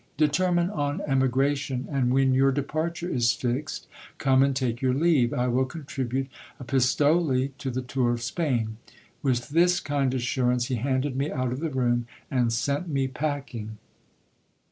Determine on emigration ; and when your departure is fixed, come and take your leave. I will contribute a pistole to the tour of Spain. With this kind assurance, he handed me out of the room, and sent me packing.